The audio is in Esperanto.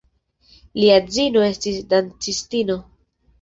Lia edzino estis dancistino.